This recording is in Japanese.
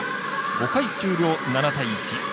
５回終了、７対１。